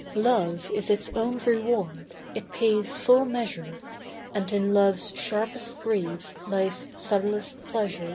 Love is its own reward, it pays full measure, And in love's sharpest grief lies subtlest pleasure.